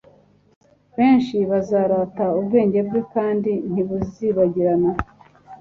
benshi bazarata ubwenge bwe kandi ntibuzibagirana